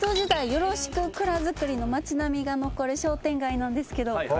よろしく蔵造りの町並みが残る商店街なんですけどいかがですか？